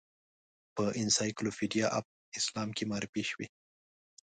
په انسایکلوپیډیا آف اسلام کې معرفي شوې.